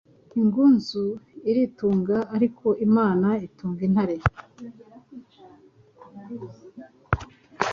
Ingunzu iritunga, ariko Imana itunga intare.